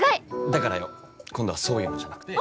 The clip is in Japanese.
だからよ。今度はそういうのじゃなくて。